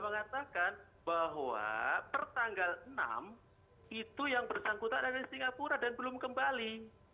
mengatakan bahwa pertanggal enam itu yang bersangkutan ada di singapura dan belum kembali